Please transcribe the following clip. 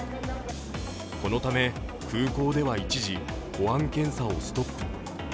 このため空港では一時保安検査をストップ。